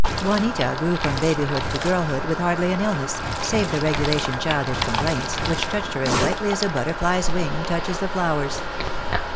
Juanita grew from babyhood to girlhood with hardly an illness, save the regulation childish complaints, which touched her as lightly as a butterfly's wing touches the flowers.